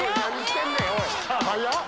早っ！